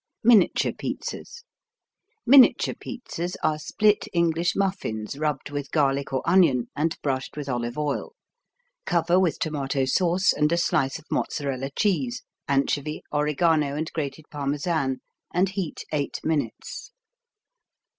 Miniature Pizzas Miniature pizzas are split English muffins rubbed with garlic or onion and brushed with olive oil. Cover with tomato sauce and a slice of Mozzarella cheese, anchovy, oregano and grated Parmesan, and heat 8 minutes.